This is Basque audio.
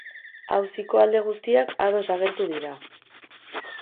Auziko alde guztiak ados agertu dira.